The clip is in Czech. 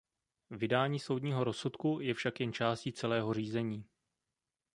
Vydání soudního rozsudku je však jen částí celého řízení.